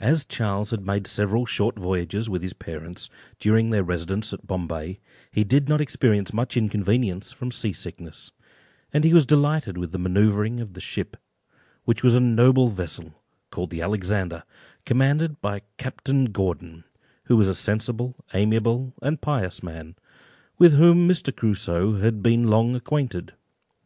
As Charles had made several short voyages with his parents, during their residence at Bombay, he did not experience much inconvenience from sea sickness; and he was delighted with the manoeuvring of the ship, which was a noble vessel, called the Alexander, commanded by Captain Gordon, who was a sensible, amiable, and pious man, with whom Mr. Crusoe had been long acquainted.